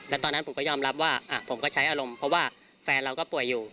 แล้วตอนนั้นผมก็ยอมรับว่าผมก็ใช้อารมณ์เพราะว่าแฟนเราก็ป่วยอยู่